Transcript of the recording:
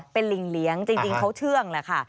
เป็นลิงเลี้ยงจริงเขาเชื่องแหละค่ะ